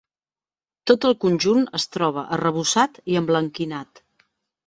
Tot el conjunt es troba arrebossat i emblanquinat.